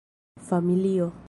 familio